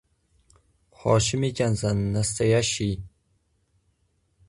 Hoshim ekansan nastoyashshiy!